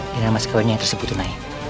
dengan mas kawinnya yang tersebut tunai